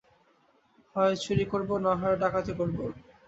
হয় চুরি করব নয় ডাকাতি করব।